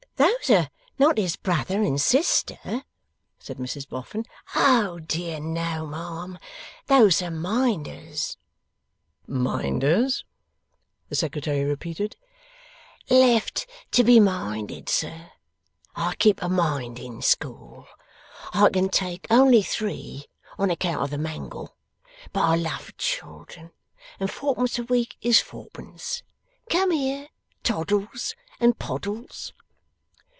'Those are not his brother and sister?' said Mrs Boffin. 'Oh, dear no, ma'am. Those are Minders.' 'Minders?' the Secretary repeated. 'Left to be Minded, sir. I keep a Minding School. I can take only three, on account of the Mangle. But I love children, and Four pence a week is Four pence. Come here, Toddles and Poddles.